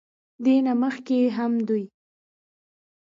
دې نه مخکښې هم دوي